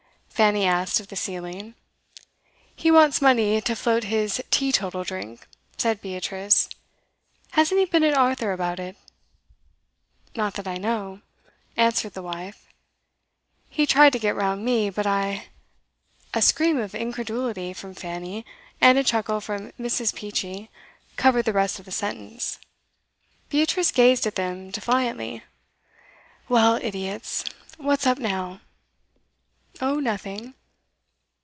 Fanny asked of the ceiling. 'He wants money to float his teetotal drink,' said Beatrice. 'Hasn't he been at Arthur about it?' 'Not that I know,' answered the wife. 'He tried to get round me, but I ' A scream of incredulity from Fanny, and a chuckle from Mrs. Peachey, covered the rest of the sentence. Beatrice gazed at them defiantly. 'Well, idiots! What's up now?' 'Oh, nothing.